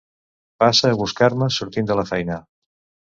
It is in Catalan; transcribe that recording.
Passa a buscar-me sortint de la feina.